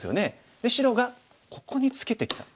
で白がここにツケてきた。